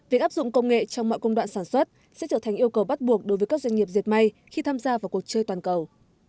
việc áp dụng công nghệ trong mọi công đoạn sản xuất sẽ trở thành yêu cầu bắt buộc đối với các doanh nghiệp diệt may khi tham gia vào cuộc chơi toàn cầu